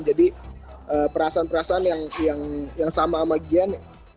jadi perasaan perasaan yang sama sama gian